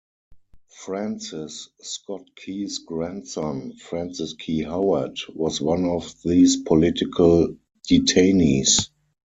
Francis Scott Key's grandson, Francis Key Howard, was one of these political detainees.